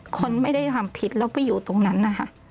คนไม่ได้ทำผิดแล้วไปอยู่ตรงนั้นนะคะ